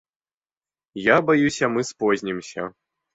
Я баюся, мы спознімся.